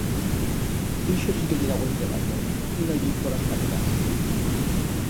Ixo sí que yera buen treballo e no yir por as carreras!